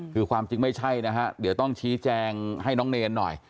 คือความจริงไม่ใช่นะฮะเดี๋ยวต้องชี้แจงให้น้องเนรหน่อย